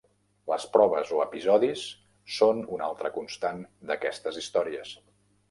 Les proves o episodis són una altra constant d'aquestes històries.